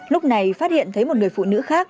lúc này phát hiện thấy một người phụ nữ khác